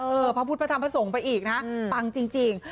พระพุทธพระธรรมพระสงฆ์ไปอีกนะปังจริง